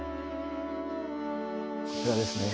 こちらですね。